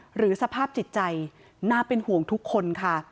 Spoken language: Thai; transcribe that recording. สภาพจิตใจน่าเป็นห่วงทุกคนค่ะ